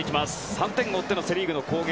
３点を追ってのセ・リーグの攻撃。